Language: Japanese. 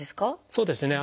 そうですね。